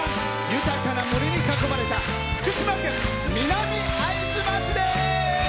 豊かな森に囲まれた福島県南会津町です。